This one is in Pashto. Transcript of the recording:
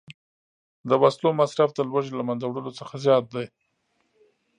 د وسلو مصرف د لوږې له منځه وړلو څخه زیات دی